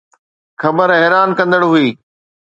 خبر حيران ڪندڙ هئي.